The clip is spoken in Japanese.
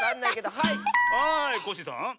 はいコッシーさん。